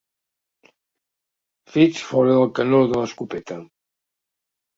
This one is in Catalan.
Fets fora del canó de l'escopeta.